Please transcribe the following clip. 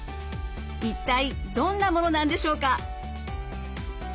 一体どんなものなんでしょうか？